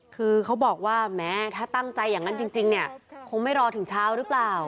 คือเขาบอกว่าแม้ถ้าตั้งใจอย่างนั้นจริงเนี่ยคงไม่รอถึงเช้าหรือเปล่า